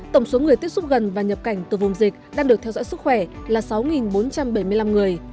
tổng số người tiếp xúc gần và nhập cảnh từ vùng dịch đang được theo dõi sức khỏe là sáu bốn trăm bảy mươi năm người